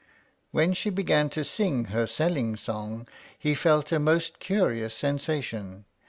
When she began to sing her selling song, he felt a most curious sensation.